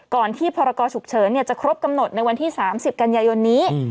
ก่อนที่พรกรฉุกเฉินจะครบกำหนดในวันที่๓๐กันยายนนี้